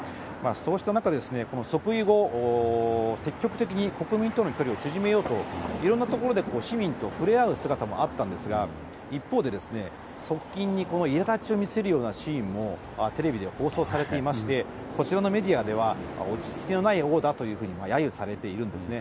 そうした中、即位後、積極的に国民との距離を縮めようと、いろんな所で、市民と触れ合う姿もあったんですが、一方でですね、側近にいらだちを見せるようなシーンも、テレビで放送されていまして、こちらのメディアでは、落ち着きのない王だというふうに、やゆされているんですね。